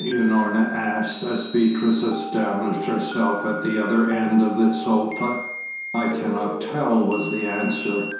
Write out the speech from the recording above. Unorna asked, as Beatrice established herself at the other end of the sofa. "I cannot tell," was the answer.